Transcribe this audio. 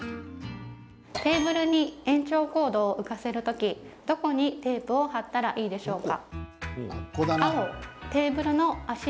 テーブルに延長コードを浮かせる時、どこにテープを貼ったらいいでしょうか？